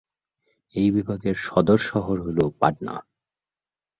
এই বিভাগের সদর শহর হল পাটনা।